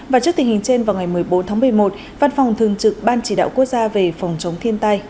và trước tình hình trên vào ngày một mươi bốn tháng một mươi một văn phòng thường trực ban chỉ đạo quốc gia về phòng chống thiên tai